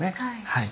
はい。